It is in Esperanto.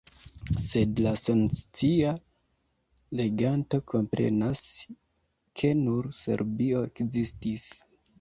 Sed la senscia leganto komprenas, ke nur Serbio ekzistis.